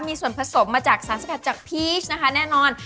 มีส่วนผสมมาจากสารสัมผัสจากพีชนะคะแน่นอน